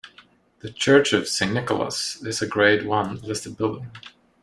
The church of St Nicholas is a Grade I listed building.